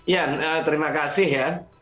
ya terima kasih ya